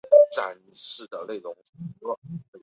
倒挂金钩为茜草科钩藤属下的一个种。